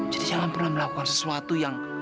jadi jangan pernah melakukan sesuatu yang